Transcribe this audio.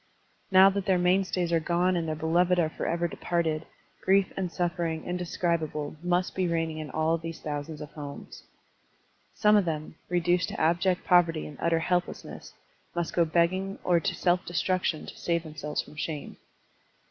Now that their mainstays are gone and their beloved are forever departed, grief and suffering inde scribable must be reigning in all these thousands of homes. Some of them, reduced to abject poverty and utter helplessness, must go begging Digitized by Google A MEMORIAL ADDRESS 207 or to self destruction to save themselves from shame.